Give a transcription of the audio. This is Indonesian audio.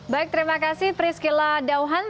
baik terima kasih priscila dauhan